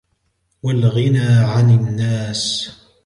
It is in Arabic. وَالْغِنَى عَنْ النَّاسِ